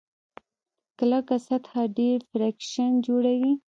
کلکه سطحه ډېر فریکشن جوړوي.